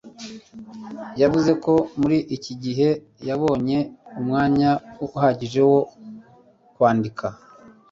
yavuze ko muri iki gihe yabonye umwanya uhagije wo kwandika